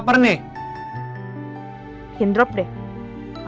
apa brigasi kalau mau n aires tara nenek itu